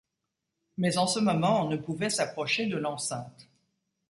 Mais, en ce moment, on ne pouvait s’approcher de l’enceinte.